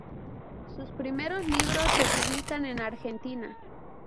Sus primeros libros se publican en Argentina.